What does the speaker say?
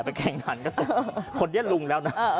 ไปแข่งกันก็ตกคนเดี๋ยวลุงแล้วนะ